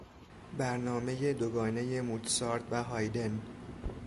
برنامهی دو گانهی موتسارت و هایدن